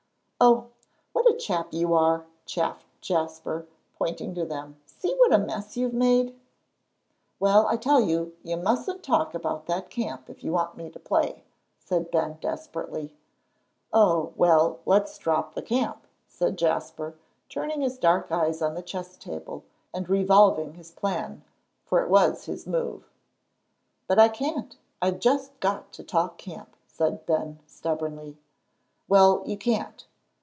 "Oh, what a chap you are!" chaffed Jasper, pointing to them. "See what a mess you've made!" "Well, I tell you, you mustn't talk about that camp, if you want me to play," said Ben, desperately. "Oh, well, let's drop the camp," said Jasper, turning his dark eyes on the chess table, and revolving his plan, for it was his move. "But I can't. I've just got to talk camp," said Ben, stubbornly. "Well, you can't.